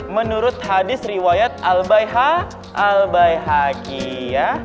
menurut hadis riwayat al bayha al bayhaqi ya